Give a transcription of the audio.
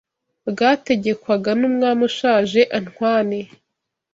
bwategekwaga n'umwami ushaje antwane